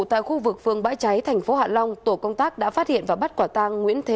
tại khu vực phương bãi cháy thành phố hạ long tổ công tác đã phát hiện và bắt quả tang nguyễn thế